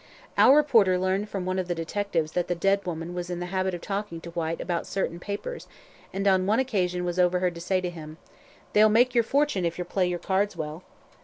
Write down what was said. Our reporter learned from one of the detectives that the dead woman was in the habit of talking to Whyte about certain papers, and on one occasion was overheard to say to him, 'They'll make your fortune if you play your cards well.'